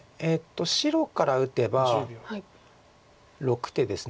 白から打てば６手です。